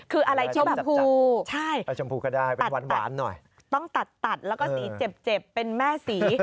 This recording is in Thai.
คืออะไรที่จำพูใช่ต้องตัดแล้วก็สีเจ็บเป็นแม่สี